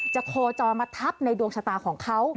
จะโทรจอมทับในดวงชะตาของเขา